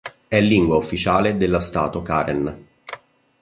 È lingua ufficiale della Stato karen.